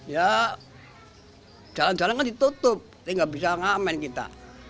ya jalan jalan kan ditutup ya nggak bisa ngamen kita